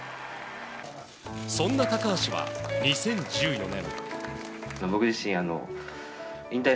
そんな高橋は２０１４年。